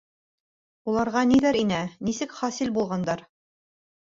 Уларға ниҙәр инә, нисек хасил булғандар?